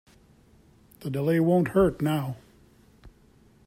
The delay won't hurt now.